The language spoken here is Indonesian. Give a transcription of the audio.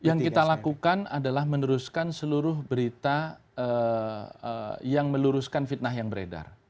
yang kita lakukan adalah meneruskan seluruh berita yang meluruskan fitnah yang beredar